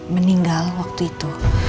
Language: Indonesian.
meninggal waktu itu